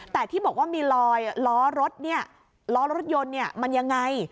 แต่ที่บอกว่ามีรอยล้อรถรถยนต์มันยังไง